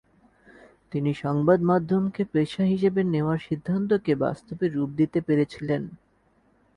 তিনি সংবাদমাধ্যমকে পেশা হিসেবে নেওয়ার সিদ্ধান্তকে বাস্তবে রুপ দিতে পেরেছিলেন ।